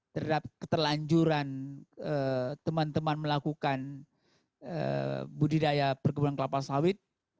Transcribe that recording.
terhadap keterlanjuran teman teman melakukan budidaya perkebunan kelapa sawit